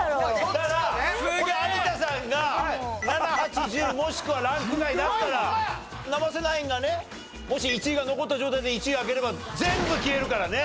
だからこれ有田さんが７８１０もしくはランク外だったら生瀬ナインがねもし１位が残った状態で１位開ければ全部消えるからね。